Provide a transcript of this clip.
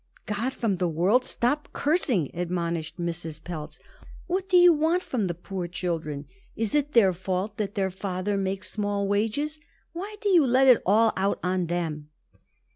"God from the world! stop cursing!" admonished Mrs. Pelz. "What do you want from the poor children? Is it their fault that their father makes small wages? Why do you let it all out on them?"